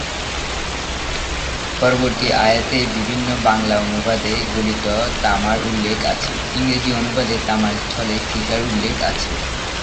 পরবর্তী আয়াতের বিভিন্ন বাংলা অনুবাদে গলিত তামার উল্লেখ আছে; ইংরেজি অনুবাদে তামার স্থলে সীসার উল্লেখ আছে।